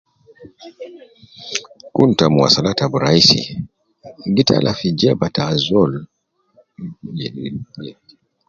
Kun ta nuswalaat Al raisi, gi tala min jeba ta azol je e e